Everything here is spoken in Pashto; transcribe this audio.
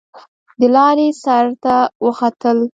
د لارۍ سر ته وختل.